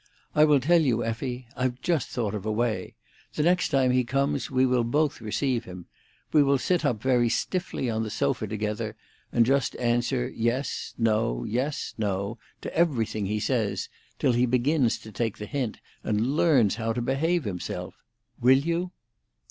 I will tell you, Effie—I've just thought of a way. The next time he comes we will both receive him. We will sit up very stiffly on the sofa together, and just answer Yes, No, Yes, No, to everything he says, till he begins to take the hint, and learns how to behave himself. Will you?"